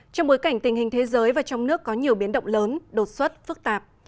trong bối cảnh tình hình thế giới và trong nước có nhiều biến động lớn đột xuất phức tạp